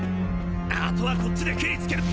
あとはこっちでケリつける。